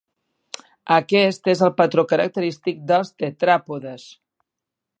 Aquest és el patró característic dels tetràpodes.